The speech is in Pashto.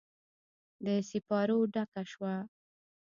د سیپارو ډکه شوه